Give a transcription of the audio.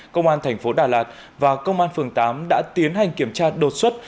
công an thành phố đà lạt và công an phường tám đã tiến hành kiểm tra đột xuất